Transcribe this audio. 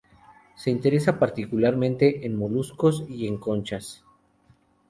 Se interesa particularmente en moluscos y en conchas.